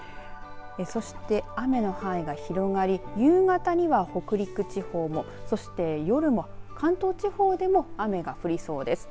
そして、雨の範囲が広がり夕方には北陸地方もそして、夜も関東地方でも雨が降りそうです。